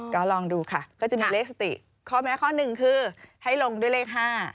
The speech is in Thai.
ก็ลองดูค่ะก็จะมีเลขสติข้อแม้ข้อหนึ่งคือให้ลงด้วยเลข๕